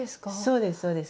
そうですそうです。